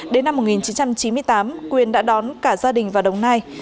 đến năm một nghìn chín trăm chín mươi tám quyền đã đón cả gia đình vào đồng nai